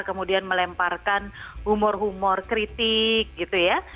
kemudian melemparkan humor humor kritik gitu ya